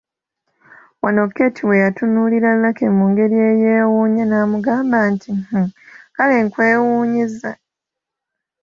Wano Keeti we yatunuulirira Lucky mu ngeri eyeewuunya n’amugamba nti, “Hhhh…., kale nkwewuunyizza!